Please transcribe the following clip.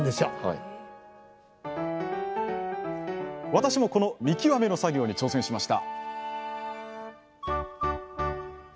私もこの見極めの作業に挑戦しました！